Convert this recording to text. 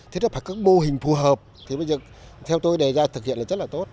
thế là phải có mô hình phù hợp thì bây giờ theo tôi đề ra thực hiện là rất là tốt